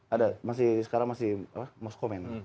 ada sekarang masih mas komen